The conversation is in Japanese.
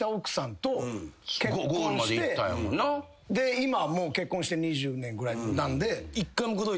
今もう結婚して２０年ぐらいなんで。